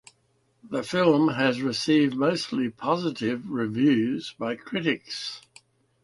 The film has received mostly positive reviews by critics.